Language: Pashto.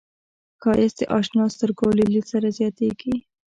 ښایست د اشنا سترګو له لید سره زیاتېږي